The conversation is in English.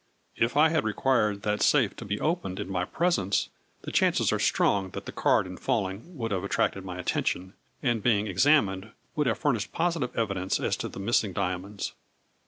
If I had required that safe to be opened in my presence ; the chances are strong that the card in falling would have attracted my attention, and being examined would have furnished positive evidence as to the missing diamonds.